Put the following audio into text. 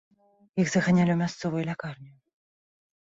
Іх заганялі ў мясцовую лякарню.